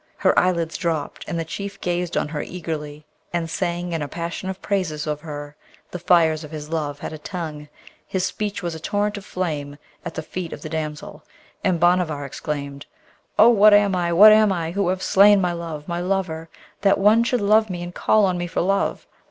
Her eyelids dropped and the Chief gazed on her eagerly, and sang in a passion of praises of her; the fires of his love had a tongue, his speech was a torrent of flame at the feet of the damsel. And Bhanavar exclaimed, 'Oh, what am I, what am I, who have slain my love, my lover! that one should love me and call on me for love?